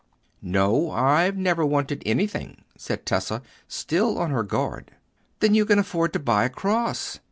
"No, I've never wanted anything," said Tessa, still on her guard. "Then you can afford to buy a cross.